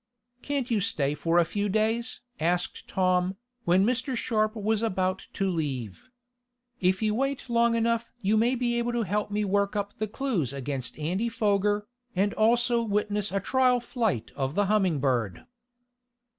"Can't you stay for a few days?" asked Tom, when Mr. Sharp was about to leave. "If you wait long enough you may be able to help me work up the clues against Andy Foger, and also witness a trial flight of the Humming Bird."